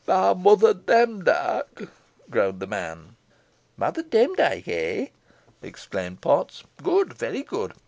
"By Mother Demdike," groaned the man. "Mother Demdike, ah?" exclaimed Potts, "good! very good.